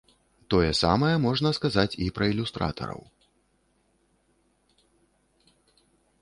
Тое самае можна сказаць і пра ілюстратараў.